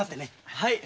はい。